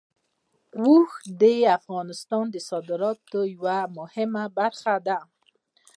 اوښ د افغانستان د صادراتو یوه مهمه برخه ده.